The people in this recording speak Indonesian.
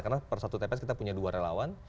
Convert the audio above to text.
karena per satu tps kita punya dua relawan